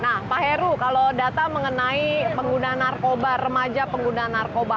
nah pak heru kalau data mengenai pengguna narkoba remaja pengguna narkoba